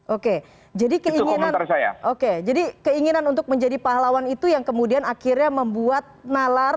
oke jadi keinginan untuk menjadi pahlawan itu yang kemudian akhirnya membuat nalar